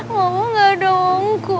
mama gak ada angkut